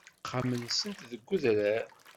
Axxam-nsent deg udrar.